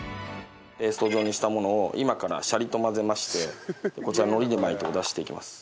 ペースト状にしたものを今からしゃりと混ぜましてこちら海苔で巻いてお出ししていきます。